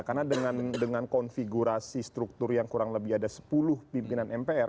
karena dengan konfigurasi struktur yang kurang lebih ada sepuluh pimpinan mpr